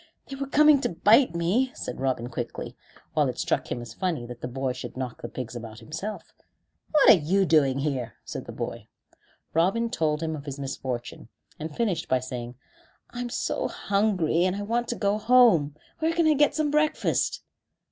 "They were coming to bite me," said Robin quickly, while it struck him as funny that the boy should knock the pigs about himself. "What are you doing here?" said the boy. Robin told of his misfortune, and finished by saying: "I'm so hungry, and I want to go home. Where can I get some breakfast?"